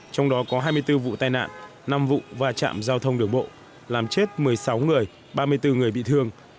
trong đó có hai mươi bốn vụ tai nạn năm vụ và chạm giao thông đường bộ làm chết một mươi sáu người ba mươi bốn người bị thương